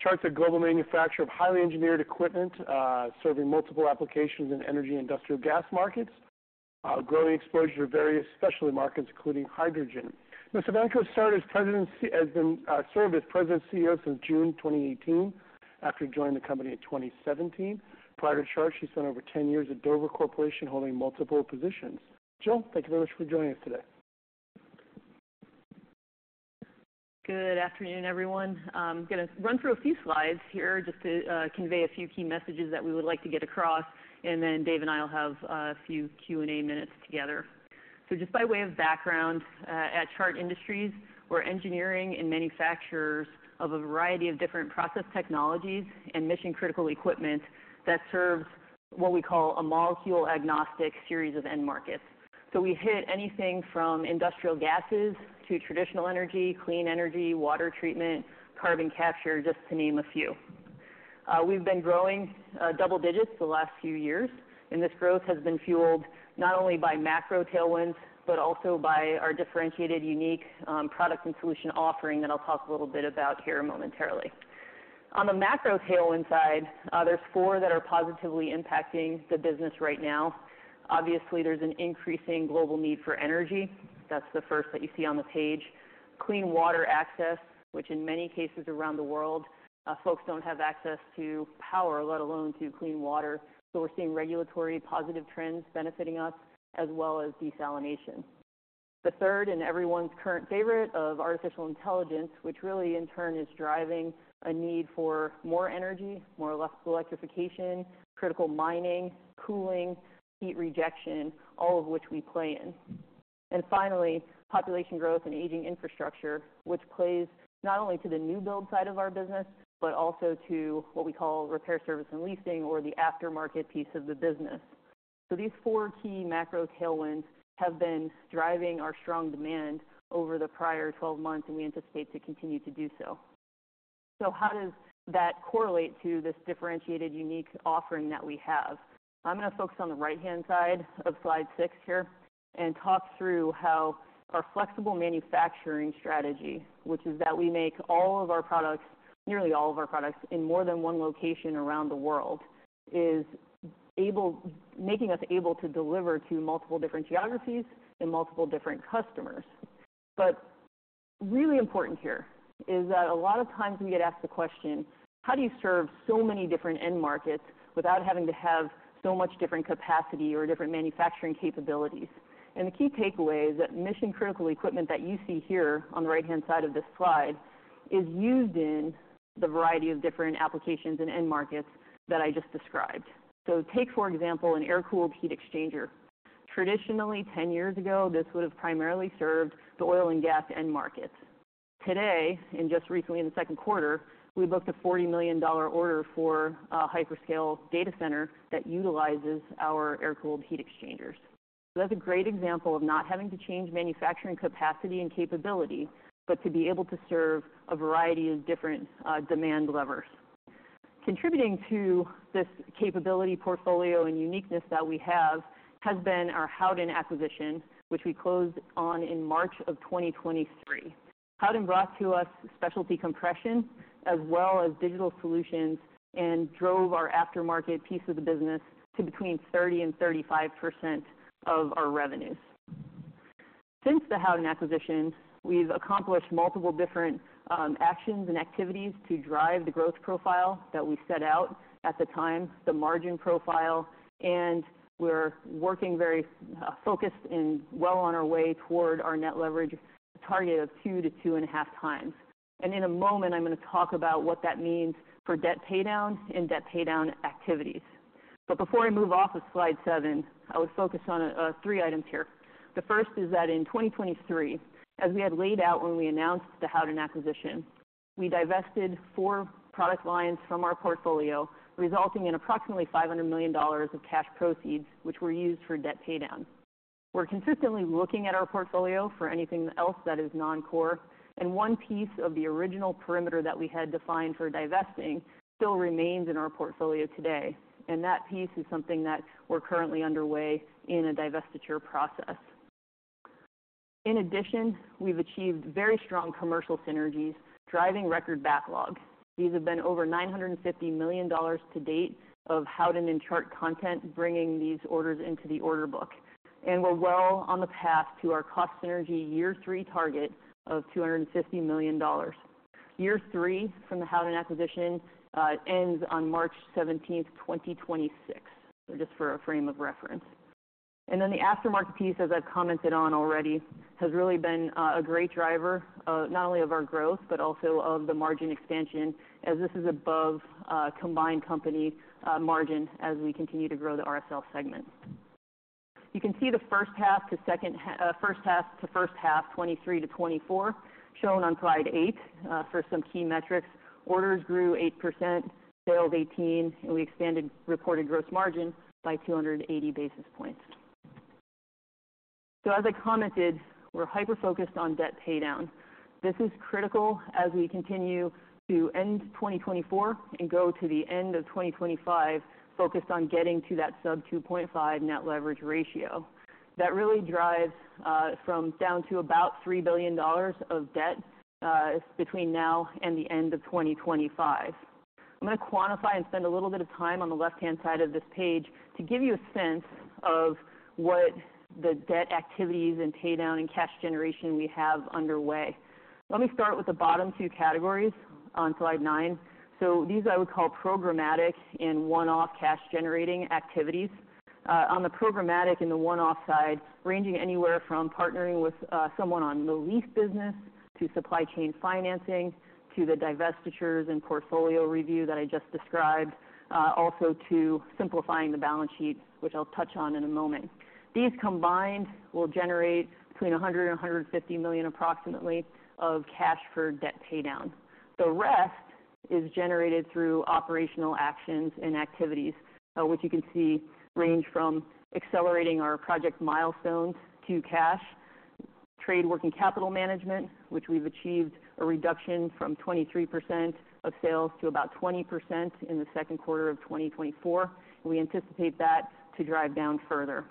Chart's a global manufacturer of highly engineered equipment, serving multiple applications in energy and industrial gas markets, growing exposure to various specialty markets, including hydrogen. Ms. Evanko has served as President and CEO since June 2018, after joining the company in 2017. Prior to Chart, she spent over 10 years at Dover Corporation, holding multiple positions. Jill, thank you very much for joining us today. Good afternoon, everyone. I'm gonna run through a few slides here just to convey a few key messages that we would like to get across, and then Dave and I will have a few Q&A minutes together. So just by way of background, at Chart Industries, we're engineering and manufacture of a variety of different process technologies and mission-critical equipment that serves what we call a molecule-agnostic series of end markets. So we hit anything from industrial gases to traditional energy, clean energy, water treatment, carbon capture, just to name a few. We've been growing double digits the last few years, and this growth has been fueled not only by macro tailwinds, but also by our differentiated, unique product and solution offering that I'll talk a little bit about here momentarily. On the macro tailwind side, there's four that are positively impacting the business right now. Obviously, there's an increasing global need for energy. That's the first that you see on the page. Clean water access, which in many cases around the world, folks don't have access to power, let alone to clean water. So we're seeing regulatory positive trends benefiting us, as well as desalination. The third, and everyone's current favorite, of artificial intelligence, which really, in turn, is driving a need for more energy, more or less electrification, critical mining, cooling, heat rejection, all of which we play in. And finally, population growth and aging infrastructure, which plays not only to the new build side of our business, but also to what we call repair, service, and leasing, or the aftermarket piece of the business. So these four key macro tailwinds have been driving our strong demand over the prior twelve months, and we anticipate to continue to do so. So how does that correlate to this differentiated, unique offering that we have? I'm gonna focus on the right-hand side of slide six here and talk through how our flexible manufacturing strategy, which is that we make all of our products, nearly all of our products, in more than one location around the world, is able, making us able to deliver to multiple different geographies and multiple different customers. But really important here is that a lot of times we get asked the question: How do you serve so many different end markets without having to have so much different capacity or different manufacturing capabilities? The key takeaway is that mission-critical equipment that you see here on the right-hand side of this slide is used in the variety of different applications and end markets that I just described. So take, for example, an air-cooled heat exchanger. Traditionally, 10 years ago, this would have primarily served the oil and gas end markets. Today, and just recently in the second quarter, we booked a $40 million order for a hyperscale data center that utilizes our air-cooled heat exchangers. So that's a great example of not having to change manufacturing capacity and capability, but to be able to serve a variety of different demand levers. Contributing to this capability, portfolio, and uniqueness that we have, has been our Howden acquisition, which we closed on in March 2023. Howden brought to us specialty compression as well as digital solutions and drove our aftermarket piece of the business to between 30% and 35% of our revenues. Since the Howden acquisition, we've accomplished multiple different actions and activities to drive the growth profile that we set out at the time, the margin profile, and we're working very focused and well on our way toward our net leverage target of 2 to 2.5 times. And in a moment, I'm gonna talk about what that means for debt paydown and debt paydown activities. But before I move off of slide seven, I would focus on three items here. The first is that in 2023, as we had laid out when we announced the Howden acquisition, we divested four product lines from our portfolio, resulting in approximately $500 million of cash proceeds, which were used for debt paydown. We're consistently looking at our portfolio for anything else that is non-core, and one piece of the original perimeter that we had defined for divesting still remains in our portfolio today, and that piece is something that we're currently underway in a divestiture process. In addition, we've achieved very strong commercial synergies, driving record backlog. These have been over $950 million to date of Howden and Chart content, bringing these orders into the order book, and we're well on the path to our cost synergy year three target of $250 million. Year three from the Howden acquisition ends on March seventeenth, 2026, just for a frame of reference. And then the aftermarket piece, as I've commented on already, has really been a great driver, not only of our growth, but also of the margin expansion, as this is above combined company margin as we continue to grow the RSL segment. You can see the first half to first half, 2023 to 2024, shown on slide eight. For some key metrics, orders grew 8%, sales 18%, and we expanded reported gross margin by 280 basis points. So as I commented, we're hyper-focused on debt paydown. This is critical as we continue to end 2024 and go to the end of 2025, focused on getting to that sub 2.5 net leverage ratio. That really drives down to about $3 billion of debt between now and the end of 2025. I'm going to quantify and spend a little bit of time on the left-hand side of this page to give you a sense of what the debt activities and paydown and cash generation we have underway. Let me start with the bottom two categories on slide nine. These I would call programmatic and one-off cash-generating activities. On the programmatic and the one-off side, ranging anywhere from partnering with someone on lease business to supply chain financing, to the divestitures and portfolio review that I just described, also to simplifying the balance sheet, which I'll touch on in a moment. These combined will generate between $100 million and $150 million approximately of cash for debt paydown. The rest is generated through operational actions and activities, which you can see range from accelerating our project milestones to cash, trade working capital management, which we've achieved a reduction from 23% of sales to about 20% in the second quarter of twenty twenty-four. We anticipate that to drive down further.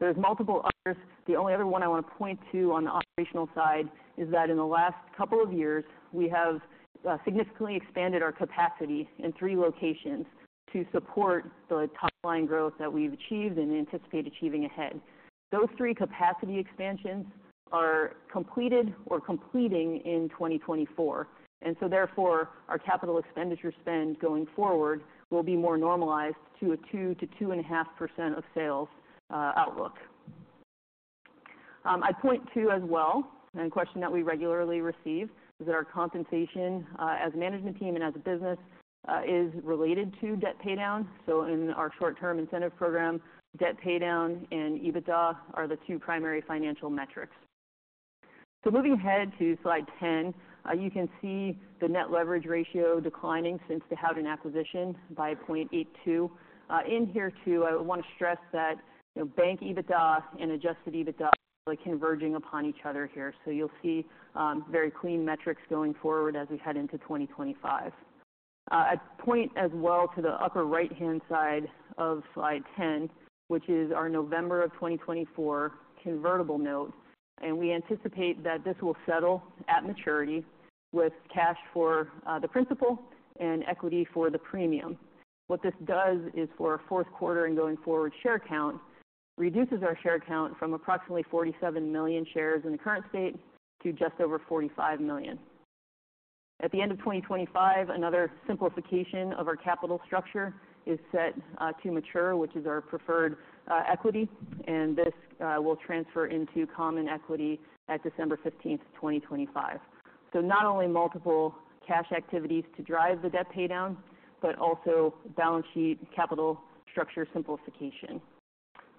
There's multiple others. The only other one I want to point to on the operational side is that in the last couple of years, we have significantly expanded our capacity in three locations to support the top-line growth that we've achieved and anticipate achieving ahead. Those three capacity expansions are completed or completing in twenty twenty-four, and so therefore, our capital expenditure spend going forward will be more normalized to a 2%-2.5% of sales outlook. I'd point to as well, and a question that we regularly receive, is that our compensation, as a management team and as a business, is related to debt paydown. So in our short-term incentive program, debt paydown and EBITDA are the two primary financial metrics. So moving ahead to slide 10, you can see the net leverage ratio declining since the Howden acquisition by 0.82. In here, too, I want to stress that, you know, bank EBITDA and adjusted EBITDA are converging upon each other here. So you'll see very clean metrics going forward as we head into 2025. I'd point as well to the upper right-hand side of slide 10, which is our November 2024 convertible note, and we anticipate that this will settle at maturity with cash for the principal and equity for the premium. What this does is for our fourth quarter and going forward, share count reduces our share count from approximately 47 million shares in the current state to just over 45 million. At the end of 2025, another simplification of our capital structure is set to mature, which is our preferred equity, and this will transfer into common equity at December fifteenth, 2025. So not only multiple cash activities to drive the debt paydown, but also balance sheet capital structure simplification.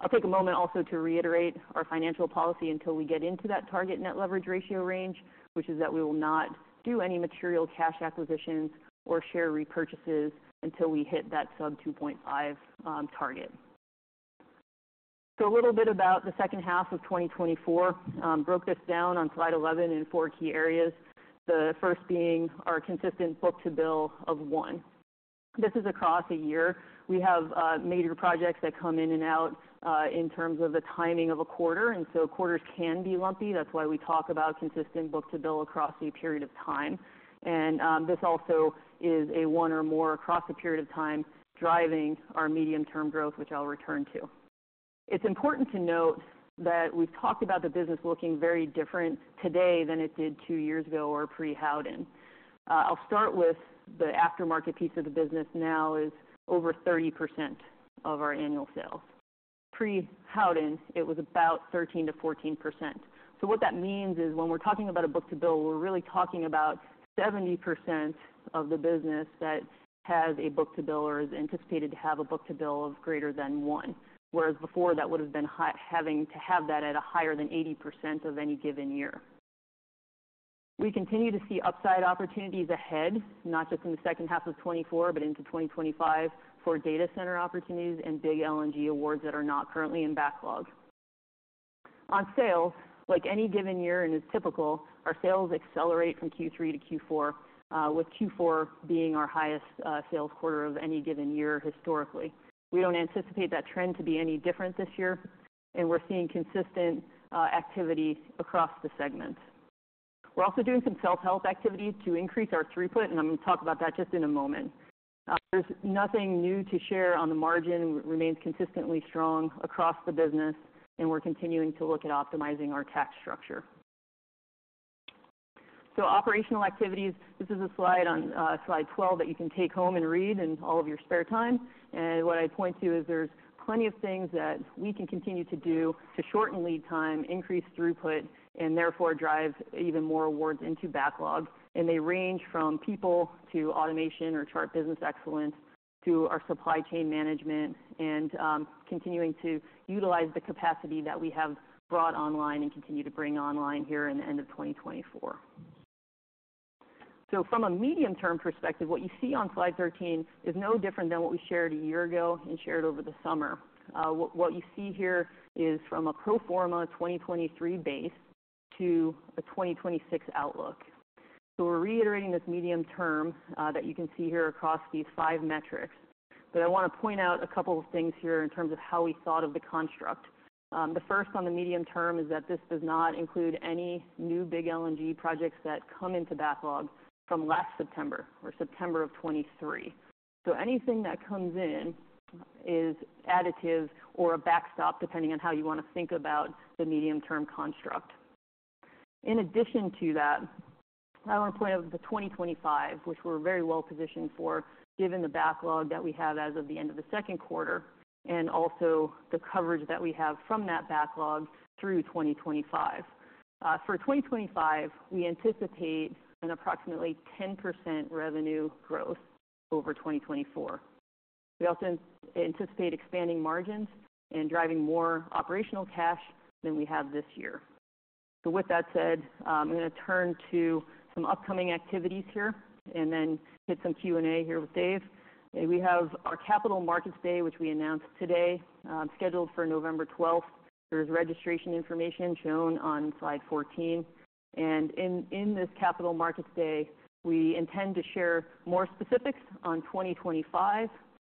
I'll take a moment also to reiterate our financial policy until we get into that target net leverage ratio range, which is that we will not do any material cash acquisitions or share repurchases until we hit that sub 2.5 target, so a little bit about the second half of 2024. Broke this down on slide 11 in four key areas, the first being our consistent book-to-bill of one. This is across a year. We have major projects that come in and out in terms of the timing of a quarter, and so quarters can be lumpy. That's why we talk about consistent book-to-bill across a period of time. And this also is a one or more across a period of time, driving our medium-term growth, which I'll return to. It's important to note that we've talked about the business looking very different today than it did two years ago or pre-Howden. I'll start with the aftermarket piece of the business now is over 30% of our annual sales. Pre-Howden, it was about 13-14%. What that means is when we're talking about a book-to-bill, we're really talking about 70% of the business that has a book-to-bill or is anticipated to have a book-to-bill of greater than one, whereas before, that would have been having to have that at a higher than 80% of any given year. We continue to see upside opportunities ahead, not just in the second half of 2024, but into 2025 for data center opportunities and big LNG awards that are not currently in backlog. On sales, like any given year, and it's typical, our sales accelerate from Q3 to Q4, with Q4 being our highest sales quarter of any given year historically. We don't anticipate that trend to be any different this year, and we're seeing consistent activity across the segments. We're also doing some self-help activities to increase our throughput, and I'm going to talk about that just in a moment. There's nothing new to share on the margin, remains consistently strong across the business, and we're continuing to look at optimizing our tax structure. So operational activities. This is a slide on slide 12 that you can take home and read in all of your spare time. And what I point to is there's plenty of things that we can continue to do to shorten lead time, increase throughput, and therefore drive even more awards into backlog. And they range from people to automation or Chart Business Excellence to our supply chain management and continuing to utilize the capacity that we have brought online and continue to bring online here in the end of 2024. So from a medium-term perspective, what you see on slide thirteen is no different than what we shared a year ago and shared over the summer. What you see here is from a pro-forma 2023 base to a 2026 outlook. So we're reiterating this medium term, that you can see here across these five metrics. But I wanna point out a couple of things here in terms of how we thought of the construct. The first on the medium term is that this does not include any new big LNG projects that come into backlog from last September or September of 2023. So anything that comes in is additive or a backstop, depending on how you wanna think about the medium-term construct. In addition to that, I wanna point out the 2025, which we're very well positioned for, given the backlog that we have as of the end of the second quarter, and also the coverage that we have from that backlog through 2025. For 2025, we anticipate an approximately 10% revenue growth over 2024. We also anticipate expanding margins and driving more operational cash than we have this year. So with that said, I'm gonna turn to some upcoming activities here and then hit some Q&A here with Dave. We have our Capital Markets Day, which we announced today, scheduled for November twelfth. There's registration information shown on slide 14, and in this Capital Markets Day, we intend to share more specifics on 2025.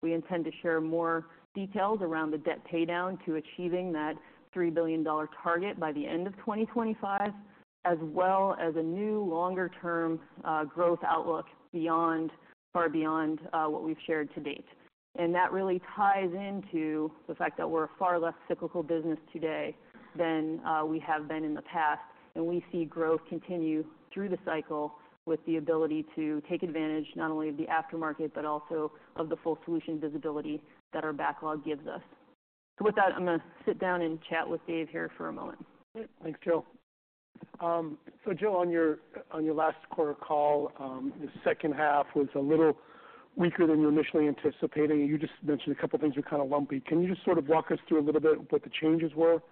We intend to share more details around the debt paydown to achieving that $3 billion target by the end of 2025, as well as a new longer-term growth outlook far beyond what we've shared to date. That really ties into the fact that we're a far less cyclical business today than we have been in the past, and we see growth continue through the cycle with the ability to take advantage not only of the aftermarket, but also of the full solution visibility that our backlog gives us. With that, I'm gonna sit down and chat with Dave here for a moment. Great. Thanks, Jill. So Jill, on your last quarter call, the second half was a little weaker than you're initially anticipating. You just mentioned a couple of things were kind of lumpy. Can you just sort of walk us through a little bit what the changes were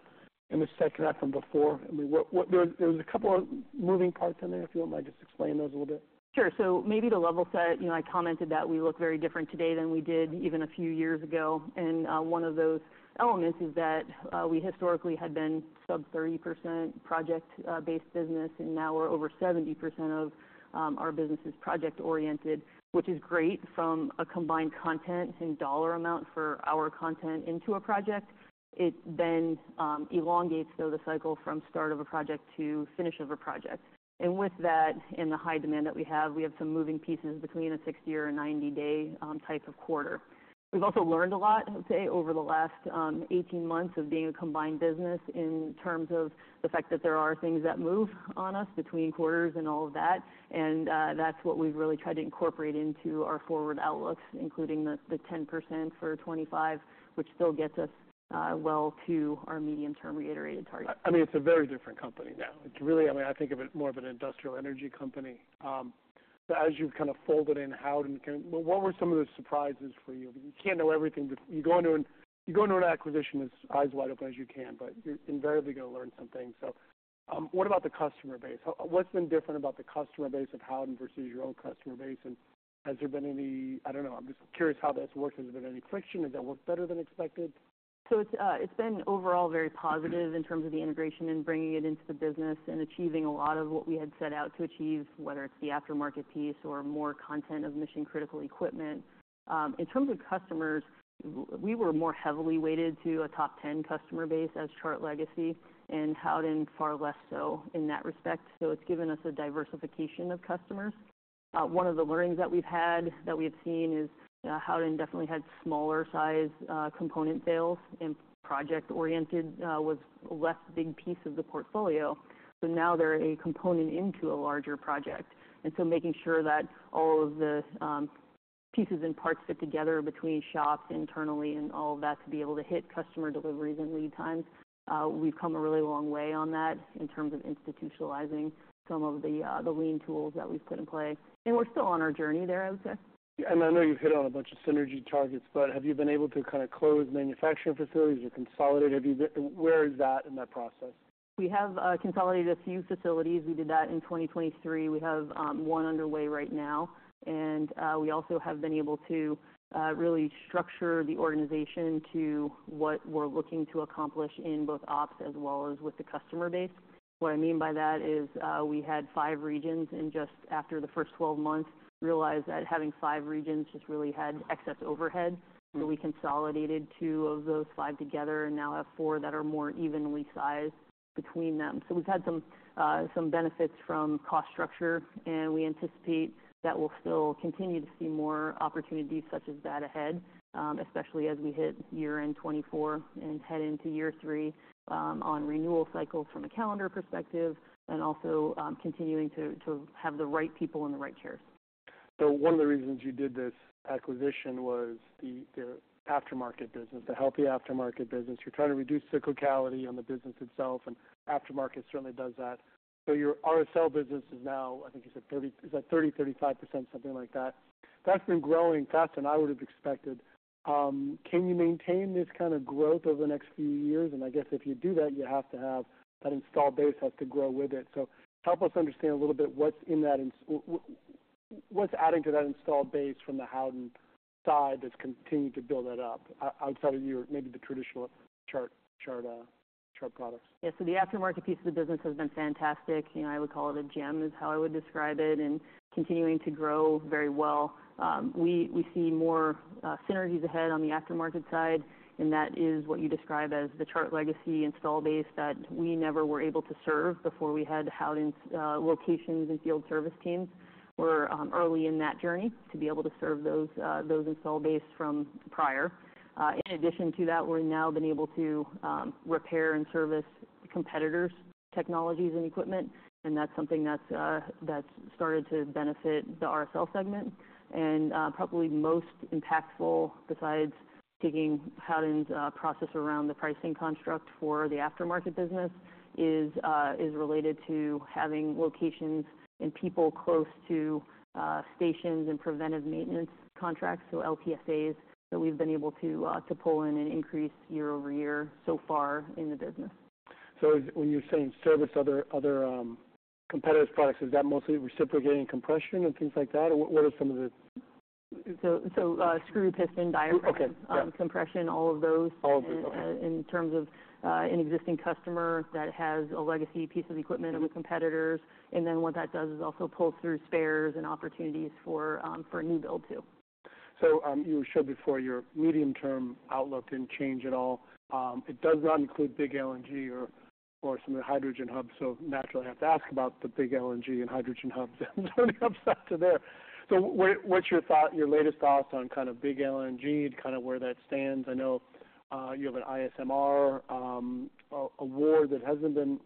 in the second half from before? I mean, there was a couple of moving parts in there, if you don't mind just explaining those a little bit. Sure. So maybe to level set, you know, I commented that we look very different today than we did even a few years ago, and one of those elements is that we historically had been sub 30% project-based business, and now we're over 70% of our business is project oriented, which is great from a combined content and dollar amount for our content into a project. It then elongates, though, the cycle from start of a project to finish of a project. And with that, in the high demand that we have, we have some moving pieces between a 60 or 90-day type of quarter. We've also learned a lot, I would say, over the last eighteen months of being a combined business in terms of the fact that there are things that move on us between quarters and all of that, and that's what we've really tried to incorporate into our forward outlook, including the 10% for 2025, which still gets us well to our medium-term reiterated target. I mean, it's a very different company now. It's really, I mean, I think of it more of an industrial energy company. So as you've kind of folded in Howden; what were some of the surprises for you? You can't know everything. You go into an acquisition as eyes wide open as you can, but you're invariably gonna learn some things. So, what about the customer base? What's been different about the customer base of Howden versus your own customer base? And has there been any, I don't know. I'm just curious how that's worked. Has there been any friction? Has that worked better than expected? So it's been overall very positive in terms of the integration and bringing it into the business and achieving a lot of what we had set out to achieve, whether it's the aftermarket piece or more content of mission-critical equipment. In terms of customers, we were more heavily weighted to a top 10 customer base as Chart legacy and Howden far less so in that respect, so it's given us a diversification of customers. One of the learnings that we've had, that we've seen is Howden definitely had smaller size component sales, and project oriented was a less big piece of the portfolio. So now they're a component into a larger project, and so making sure that all of the pieces and parts fit together between shops internally and all of that, to be able to hit customer deliveries and lead times. We've come a really long way on that in terms of institutionalizing some of the lean tools that we've put in play, and we're still on our journey there, I would say. I know you've hit on a bunch of synergy targets, but have you been able to kind of close manufacturing facilities or consolidate? Where is that in that process? We have consolidated a few facilities; we did that in 2023. We have one underway right now, and we also have been able to really structure the organization to what we're looking to accomplish in both ops as well as with the customer base. What I mean by that is, we had five regions, and just after the first twelve months, realized that having five regions just really had excess overhead, so we consolidated two of those five together and now have four that are more evenly sized between them. We've had some benefits from cost structure, and we anticipate that we'll still continue to see more opportunities such as that ahead, especially as we hit year end 2024 and head into year three, on renewal cycles from a calendar perspective, and also, continuing to have the right people in the right chairs. So one of the reasons you did this acquisition was the aftermarket business, the healthy aftermarket business. You're trying to reduce cyclicality on the business itself, and aftermarket certainly does that. So your RSL business is now, I think you said 30, is that 30-35%, something like that. That's been growing faster than I would have expected. Can you maintain this kind of growth over the next few years? And I guess if you do that, you have to have that installed base has to grow with it. So help us understand a little bit what's adding to that installed base from the Howden side that's continued to build that up, outside of your maybe the traditional Chart business, Chart products. Yeah, so the aftermarket piece of the business has been fantastic. You know, I would call it a gem, is how I would describe it, and continuing to grow very well. We see more synergies ahead on the aftermarket side, and that is what you describe as the Chart legacy install base that we never were able to serve before we had Howden's locations and field service teams. We're early in that journey to be able to serve those install base from prior. In addition to that, we've now been able to repair and service competitors' technologies and equipment, and that's something that's started to benefit the RSL segment. Probably most impactful, besides taking Howden's process around the pricing construct for the aftermarket business, is related to having locations and people close to stations and preventive maintenance contracts, so LTSAs, that we've been able to pull in and increase year-over-year so far in the business. So when you're saying, service other competitors' products, is that mostly reciprocating compression and things like that, or what are some of the... So, screw, piston, diaphragm... Okay. Yeah.... compression, all of those. All of those, okay. In terms of an existing customer that has a legacy piece of equipment of the competitors, and then what that does is also pull through spares and opportunities for a new build, too. You showed before your medium-term outlook didn't change at all. It does not include big LNG or some of the hydrogen hubs, so naturally, I have to ask about the big LNG and hydrogen hubs, when it comes down to there. What, what's your thought, your latest thoughts on kind of big LNG and kind of where that stands? I know, you have an IPSMR award that hasn't been...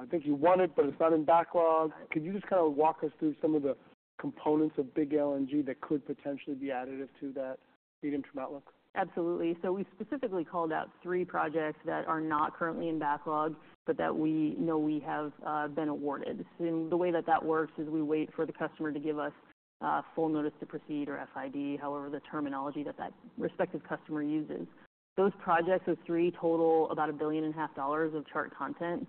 I think you won it, but it's not in backlog. Could you just kind of walk us through some of the components of big LNG that could potentially be additive to that medium-term outlook? Absolutely. So we specifically called out three projects that are not currently in backlog, but that we know we have been awarded. And the way that that works is we wait for the customer to give us full notice to proceed, or FID, however, the terminology that that respective customer uses. Those projects of three total, about $1.5 billion of Chart content.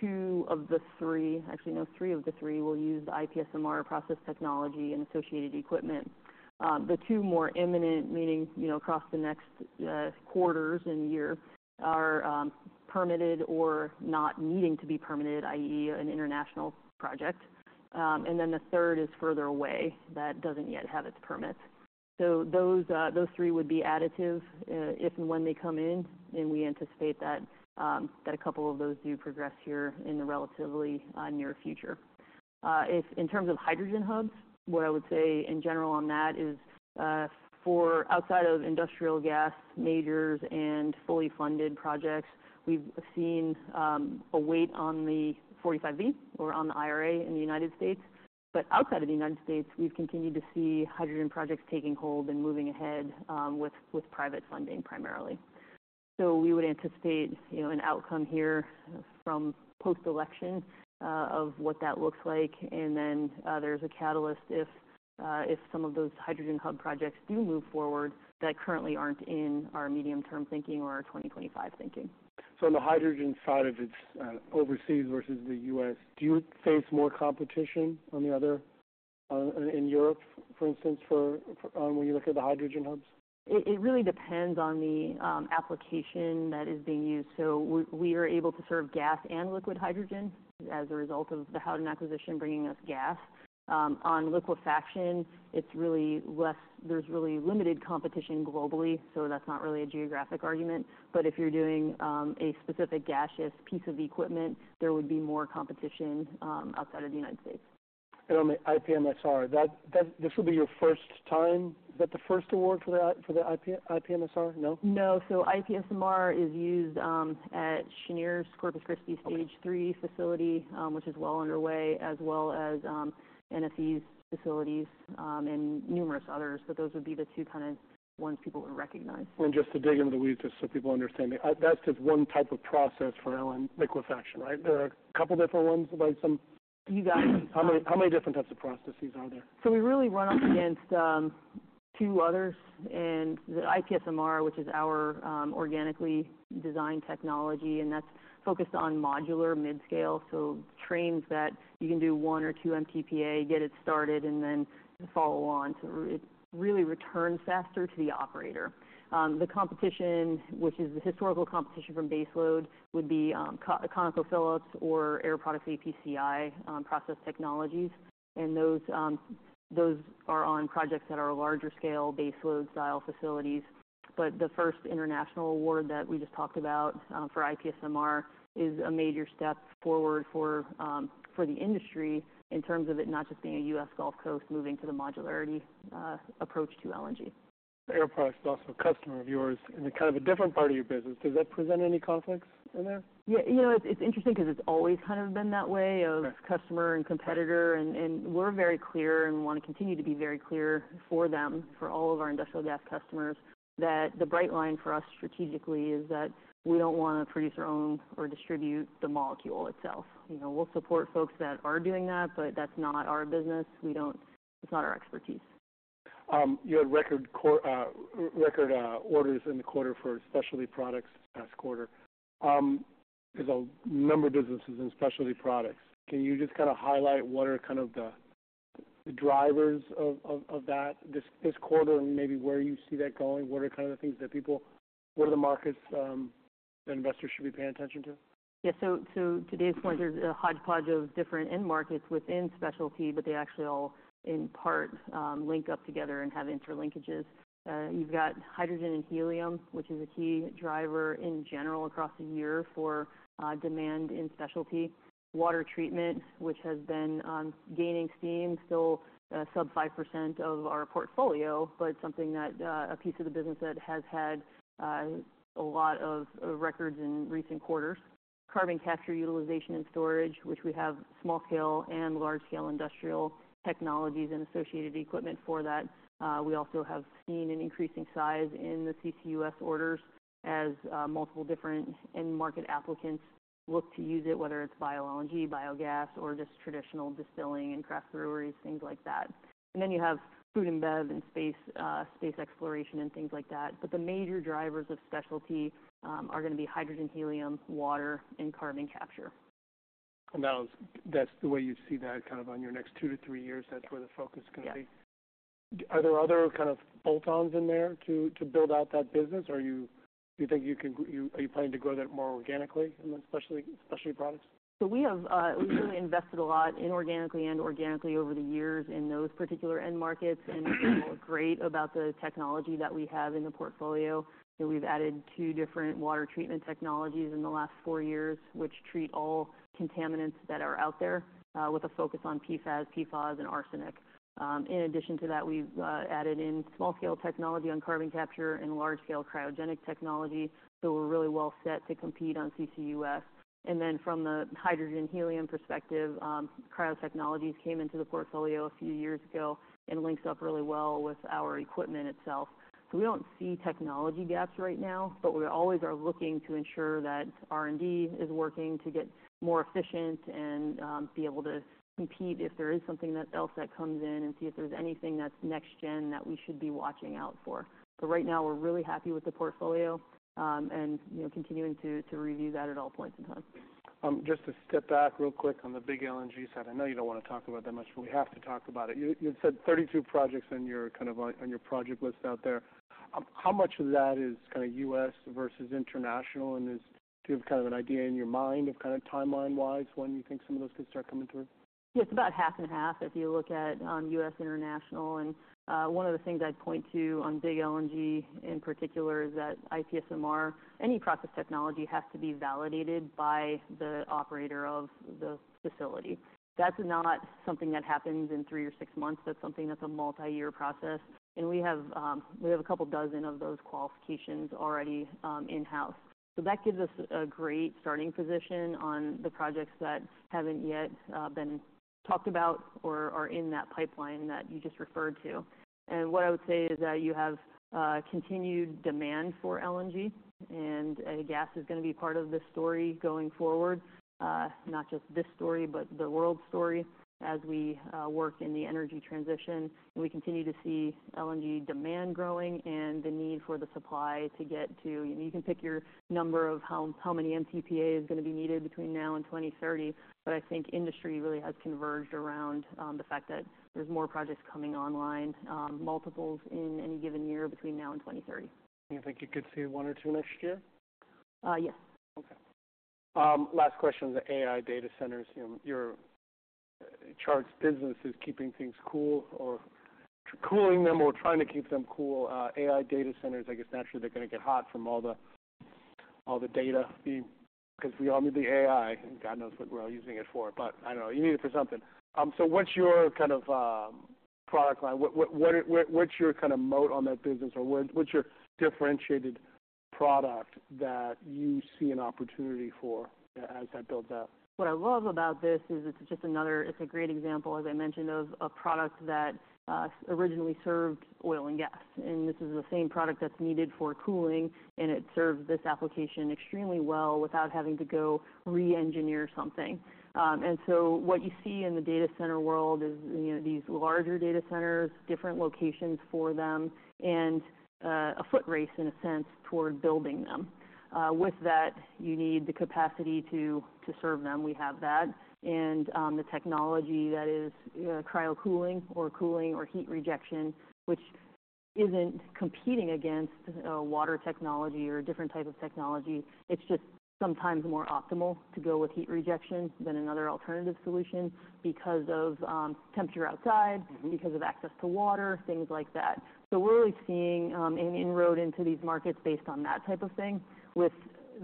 Two of the three-- actually, no, three of the three will use the IPSMR process technology and associated equipment. The two more imminent, meaning, you know, across the next quarters and year, are permitted or not needing to be permitted, i.e., an international project. And then the third is further away. That doesn't yet have its permits. So those three would be additive if and when they come in, and we anticipate that a couple of those do progress here in the relatively near future. In terms of hydrogen hubs, what I would say in general on that is, for outside of industrial gas majors and fully funded projects, we've seen a wait on the 45-B or on the IRA in the United States. But outside of the United States, we've continued to see hydrogen projects taking hold and moving ahead with private funding primarily. So we would anticipate, you know, an outcome here from post-election of what that looks like. And then there's a catalyst if some of those hydrogen hub projects do move forward that currently aren't in our medium-term thinking or our 2025 thinking. So on the hydrogen side of it, overseas versus the U.S., do you face more competition on the other, in Europe, for instance, when you look at the hydrogen hubs? It really depends on the application that is being used. So we are able to serve gas and liquid hydrogen as a result of the Howden acquisition, bringing us gas. On liquefaction, it's really less. There's really limited competition globally, so that's not really a geographic argument. But if you're doing a specific gaseous piece of equipment, there would be more competition outside of the United States. On the IPSMR, this will be your first time, is that the first award for the IPSMR? No? No. So IPSMR is used at Cheniere's Corpus Christi Stage 3 facility, which is well underway, as well as NFE's facilities, and numerous others, but those would be the two kind of ones people would recognize. Just to dig into the weeds, just so people understand, that's just one type of process for LNG liquefaction, right? There are a couple different ones, but some... You got it. How many, how many different types of processes are there? So we really run up against, two others, and the IPSMR, which is our, organically designed technology, and that's focused on modular mid-scale, so trains that you can do one or two MTPA, get it started, and then follow on. So it really returns faster to the operator. The competition, which is the historical competition from baseload, would be, ConocoPhillips or Air Products APCI, process technologies, and those are on projects that are larger scale, baseload style facilities. But the first international award that we just talked about, for IPSMR is a major step forward for, for the industry in terms of it not just being a U.S. Gulf Coast, moving to the modularity, approach to LNG. Air Products is also a customer of yours in a kind of a different part of your business. Does that present any conflicts in there? Yeah, you know, it's, it's interesting because it's always kind of been that way... Right.... of customer and competitor, and we're very clear and want to continue to be very clear for them, for all of our industrial gas customers, that the bright line for us strategically is that we don't want to produce our own or distribute the molecule itself. You know, we'll support folks that are doing that, but that's not our business. We don't. It's not our expertise. You had record orders in the quarter for specialty products last quarter. There's a number of businesses in specialty products. Can you just kind of highlight what are kind of the drivers of that this quarter and maybe where you see that going? What are the markets that investors should be paying attention to? Yeah, so to Dave's point, there's a hodgepodge of different end markets within specialty, but they actually all, in part, link up together and have interlinkages. You've got hydrogen and helium, which is a key driver in general across the year for demand in specialty. Water treatment, which has been gaining steam, still sub 5% of our portfolio, but something that a piece of the business that has had a lot of records in recent quarters. Carbon capture, utilization, and storage, which we have small scale and large scale industrial technologies and associated equipment for that. We also have seen an increasing size in the CCUS orders as multiple different end market applicants look to use it, whether it's biology, biogas, or just traditional distilling and craft breweries, things like that. And then you have food and bev and space, space exploration, and things like that. But the major drivers of specialty are gonna be hydrogen, helium, water, and carbon capture. That's the way you see that kind of on your next two to three years, that's where the focus is gonna be? Yeah. Are there other kind of add-ons in there to build out that business, or you think you can, are you planning to grow that more organically in the specialty products? So we have, we've really invested a lot inorganically and organically over the years in those particular end markets, and we feel great about the technology that we have in the portfolio. So we've added two different water treatment technologies in the last four years, which treat all contaminants that are out there, with a focus on PFAS, PFOS, and arsenic. In addition to that, we've added in small scale technology on carbon capture and large scale cryogenic technology, so we're really well set to compete on CCUS. And then from the hydrogen, helium perspective, Cryo Technologies came into the portfolio a few years ago and links up really well with our equipment itself. So we don't see technology gaps right now, but we always are looking to ensure that R&D is working to get more efficient and be able to compete if there is something that else that comes in and see if there's anything that's next gen that we should be watching out for. So right now, we're really happy with the portfolio, and you know, continuing to review that at all points in time. Just to step back real quick on the big LNG side. I know you don't want to talk about that much, but we have to talk about it. You've said 32 projects on your kind of project list out there. How much of that is kind of US versus international, and is... Do you have kind of an idea in your mind of kind of timeline-wise, when you think some of those could start coming through? It's about half and half if you look at U.S. international. One of the things I'd point to on big LNG, in particular, is that IPSMR, any process technology has to be validated by the operator of the facility. That's not something that happens in three or six months. That's something that's a multi-year process, and we have a couple dozen of those qualifications already in-house. So that gives us a great starting position on the projects that haven't yet been talked about or are in that pipeline that you just referred to. What I would say is that you have continued demand for LNG, and gas is gonna be part of this story going forward. Not just this story, but the world's story as we work in the energy transition. We continue to see LNG demand growing and the need for the supply to get to; you can pick your number of how many MTPA is gonna be needed between now and 2030, but I think industry really has converged around the fact that there's more projects coming online, multiples in any given year between now and 2030. You think you could see one or two next year? Uh, yes. Okay. Last question on the AI data centers. You know, your Chart's business is keeping things cool or cooling them or trying to keep them cool. AI data centers, I guess naturally, they're gonna get hot from all the data being because we all need the AI, and God knows what we're all using it for, but I don't know. You need it for something. So what's your kind of product line? What, what's your kind of moat on that business, or what's your differentiated product that you see an opportunity for as that builds out? What I love about this is it's just a great example, as I mentioned, of a product that originally served oil and gas. And this is the same product that's needed for cooling, and it serves this application extremely well without having to go re-engineer something. And so what you see in the data center world is, you know, these larger data centers, different locations for them, and a foot race, in a sense, toward building them. With that, you need the capacity to serve them. We have that. And the technology that is cryo cooling or cooling or heat rejection, which isn't competing against water technology or a different type of technology. It's just sometimes more optimal to go with heat rejection than another alternative solution because of temperature outside, because of access to water, things like that. So we're really seeing an inroad into these markets based on that type of thing, with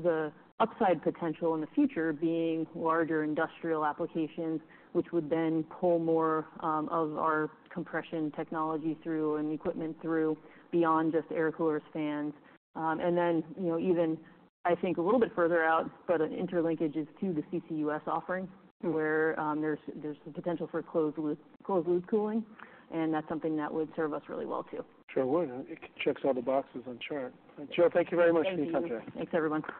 the upside potential in the future being larger industrial applications, which would then pull more of our compression technology through and equipment through beyond just air coolers fans. And then, you know, even I think a little bit further out, but an interlinkages to the CCUS offering, where there's the potential for closed loop cooling, and that's something that would serve us really well, too. Sure would. It checks all the boxes on Chart. Sure. Thank you very much. Thanks, everyone.